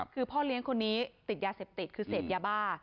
คือพ่อเลี้ยงคนนี้ติดยาเสพติดคือเสพยาบ้า